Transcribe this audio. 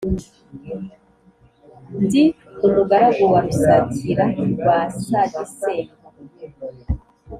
Ndi umugaragu wa Rusakira rwa Sagisengo